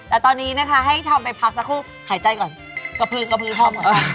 แต่ตอนนี้นะคะให้ทำไปพักสักครู่หายใจก่อนกระพือกระพื้นก่อน